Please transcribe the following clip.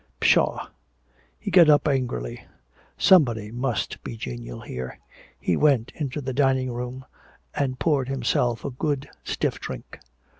Pshaw! He got up angrily. Somebody must be genial here. He went into the dining room and poured himself a good stiff drink.